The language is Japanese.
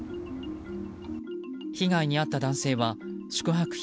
被害に遭った男性は宿泊費